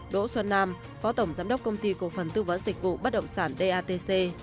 đỗ xuân nam phó tổng giám đốc công ty cổ phần tư vấn dịch vụ bất động sản datc